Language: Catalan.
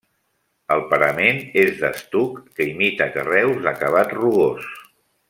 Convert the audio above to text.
El parament és d'estuc que imita carreus d'acabat rugós.